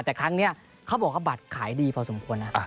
แต่ครั้งนี้เขาบอกว่าบัตรขายดีพอสมควรนะ